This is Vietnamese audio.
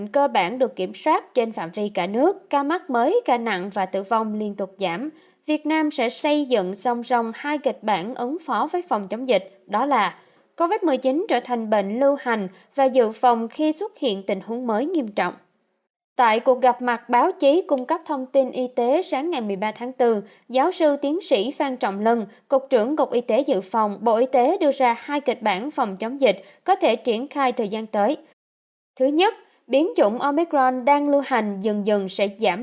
các bạn hãy đăng ký kênh để ủng hộ kênh của chúng mình nhé